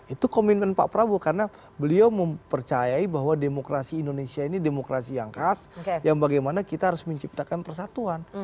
itu komitmen pak prabowo karena beliau mempercayai bahwa demokrasi indonesia ini demokrasi yang khas yang bagaimana kita harus menciptakan persatuan